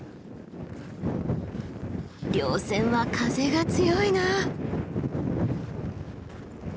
稜線は風が強いなあ。